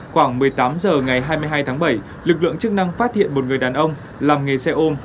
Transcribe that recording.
khoảng một mươi tám h ngày hai mươi hai tháng bảy lực lượng chức năng phát hiện một người đàn ông làm nghề xe ôm